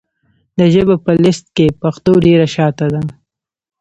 د ژبو په لېسټ کې پښتو ډېره شاته ده .